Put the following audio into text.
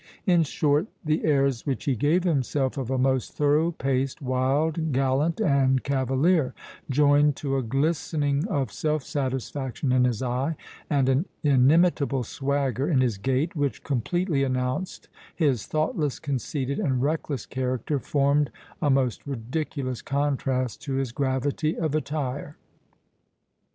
In short, the airs which he gave himself, of a most thorough paced wild gallant and cavalier, joined to a glistening of self satisfaction in his eye, and an inimitable swagger in his gait, which completely announced his thoughtless, conceited, and reckless character, formed a most ridiculous contrast to his gravity of attire.